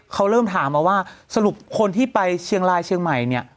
เขาเริ่มถามมาว่าสรุปคนที่ไปเชียงรายเชียงใหม่เนี่ย